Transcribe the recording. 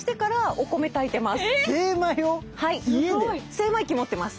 精米機持ってます。